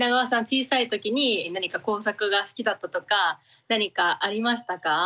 小さい時に何か工作が好きだったとか何かありましたか？